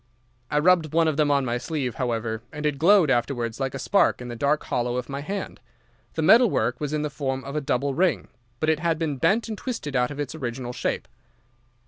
I rubbed one of them on my sleeve, however, and it glowed afterwards like a spark in the dark hollow of my hand. The metal work was in the form of a double ring, but it had been bent and twisted out of its original shape.